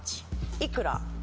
いくら？